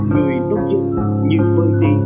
người nông dân như vơi đi